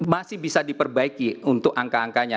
masih bisa diperbaiki untuk angka angkanya